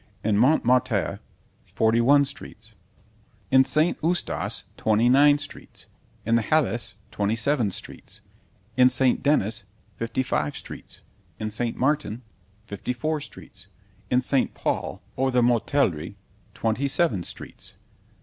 In Mont. Martyr, forty one streets. In St. Eustace, twenty nine streets. In the Halles, twenty seven streets. In St. Dennis, fifty five streets. In St. Martin, fifty four streets. In St. Paul, or the Mortellerie, twenty seven streets.